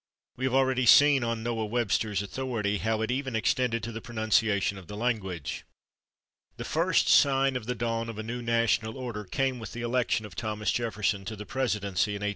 We have already seen, on Noah Webster's authority, how it even extended to the pronunciation of the language. The first sign of the dawn of a new national order came with the election of Thomas Jefferson to the Presidency in 1800.